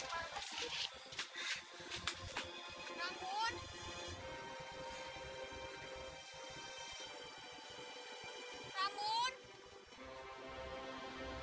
di mana nek